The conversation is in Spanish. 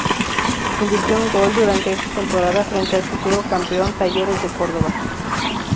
Convirtió un gol durante esta temporada, frente al futuro campeón, Talleres de Córdoba.